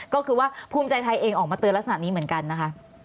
ก็คือว่าภูมิใจไทยเองออกมาเตือนลักษณะนี้เหมือนกันนะคะ